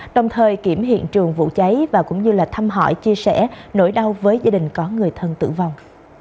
đồng thời kiểm hiện trường vụ cháy và cũng như là thăm hỏi chia sẻ nỗi đau với gia đình có người thân tử vong